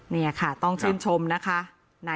นี่ค่ะต้องชื่นชมนะคะ